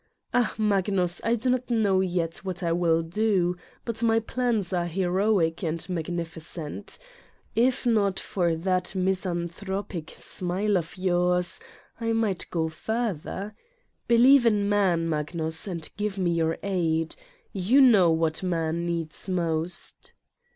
Ah, Magnus, I do not know yet what I will do, but my plans are heroic and magnificent. If not for that misanthropic smile of yours I might go further. Believe in Man, Magnus, and give me your aid. You know X.what Man needs most."